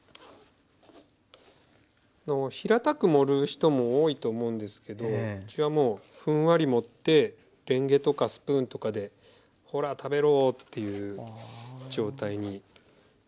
平たく盛る人も多いと思うんですけどうちはもうふんわり盛ってレンゲとかスプーンとかでほら食べろっていう状態に。